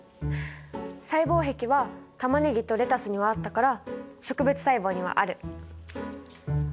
細胞壁はタマネギとレタスにはあったから植物細胞にはある。